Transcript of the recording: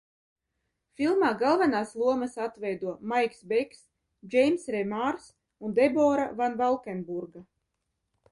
Filmā galvenās lomas atveido Maikls Beks, Džeimss Remārs un Debora Van Valkenburga.